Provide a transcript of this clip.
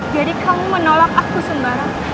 jadi kamu menolak aku sembarang